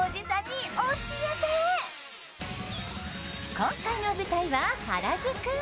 今回の舞台は原宿。